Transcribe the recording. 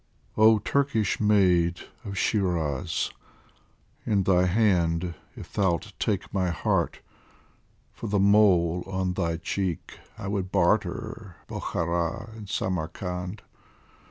On Turkish maid of Shiraz ! in thy hand If thou'lt take my heart, for the mole on thy cheek I would barter Bokhara and Samarkand.